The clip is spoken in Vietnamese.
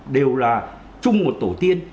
đều là chung một tổ tiên